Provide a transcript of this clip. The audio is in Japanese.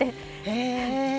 へえ。